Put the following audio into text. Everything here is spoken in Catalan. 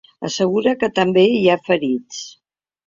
Assegura que també hi ha ferits.